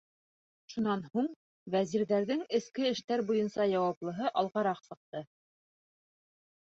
Шунан һуң вәзирҙәрҙең эске эштәр буйынса яуаплыһы алғараҡ сыҡты: